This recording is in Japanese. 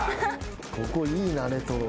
ここいいなレトロ。